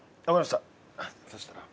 そしたら。